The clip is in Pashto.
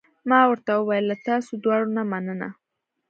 ما ورته وویل: له تاسو دواړو نه مننه.